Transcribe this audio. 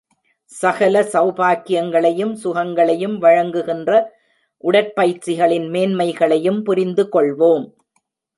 சகல செளபாக்கியங்களையும், சுகங்களையும் வழங்குகின்ற உடற்பயிற்சிகளின் மேன்மைகளையும் புரிந்துகொள்வோம்.